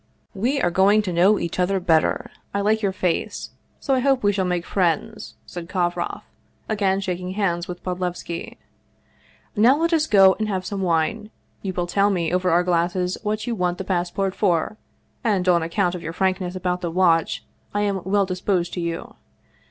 "We are going to know each other better; I like your face, so I hope we shall make friends," said Kovroff, again shaking hands with Bodlevski. " Now let us go and have some wine. You will tell me over our glasses what you want the passport for, and on account of your frankness about the watch> I am well disposed to you.